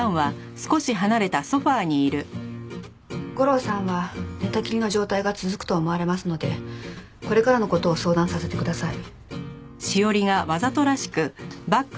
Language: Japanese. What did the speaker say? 吾良さんは寝たきりの状態が続くと思われますのでこれからの事を相談させてください。